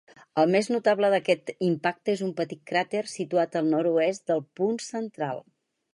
El més notable d'aquests impactes és un petit cràter situat al nord-oest del punt central.